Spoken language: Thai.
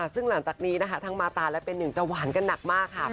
ซึ่งหลังจากนี้นะคะทั้งมาตาและเป็นหนึ่งจะหวานกันหนักมากค่ะ